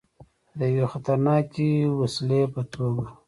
د یوې خطرناکې وسلې په توګه.